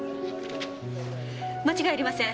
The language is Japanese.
間違いありません。